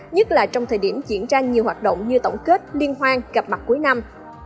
nhất là trong thời điểm diễn ra nhiều hoạt động như tổng kết liên hoan gặp mặt cuối năm